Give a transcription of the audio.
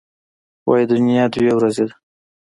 وايي دنیا دوه ورځې ده.